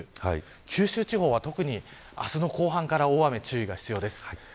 九州地方は特に、明日の後半から大雨に注意が必要です。